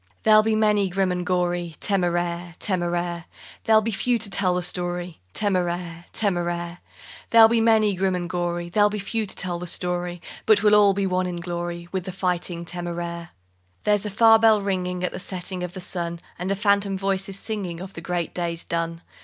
_There'll be many grim and gory, Téméraire! Téméraire! There'll be few to tell the story, Téméraire! Téméraire! There'll be many grim and gory, There'll be few to tell the story, But we'll all be one in glory With the Fighting Téméraire._ There's a far bell ringing At the setting of the sun, And a phantom voice is singing Of the great days done.